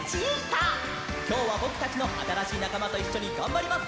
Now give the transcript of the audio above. きょうはぼくたちのあたらしいなかまといっしょにがんばります！